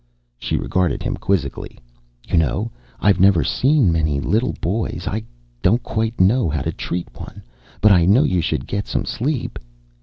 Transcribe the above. She regarded him quizzically. "You know, I've never seen many little boys. I don't quite know how to treat one. But I know you should get some sleep."